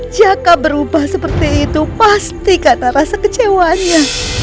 jaka berubah seperti itu pasti karena rasa kecewanya